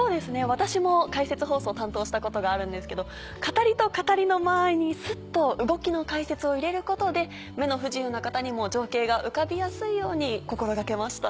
私も解説放送を担当したことがあるんですけど語りと語りの間あいにスッと動きの解説を入れることで目の不自由な方にも情景が浮かびやすいように心掛けました。